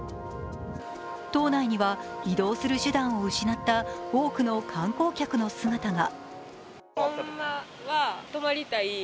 島内には移動する手段を失った多くの観光客の姿が。